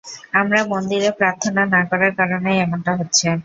আমরা মন্দিরে প্রার্থনা না করার কারণেই এমনটা হচ্ছে।